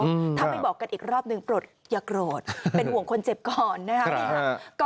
ถ้าไม่บอกกันอีกรอบหนึ่งโปรดอย่าโกรธเป็นห่วงคนเจ็บก่อนนะครับ